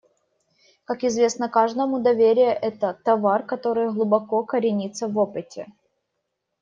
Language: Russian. Как известно каждому, доверие − это товар, который глубоко коренится в опыте.